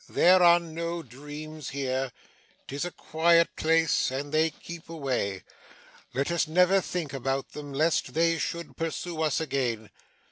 There are no dreams here. 'Tis a quiet place, and they keep away. Let us never think about them, lest they should pursue us again.